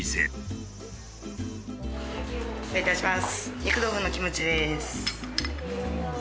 失礼いたします。